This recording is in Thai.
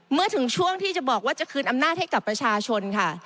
เมื่อถึงช่วงที่จะบอกว่าจะคืนอำนาจให้กับประชาชนค่ะ